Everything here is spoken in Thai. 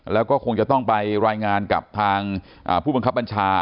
แล้วก็คงจะต้องไปรายงานกับทางผู้บังคับบัญชา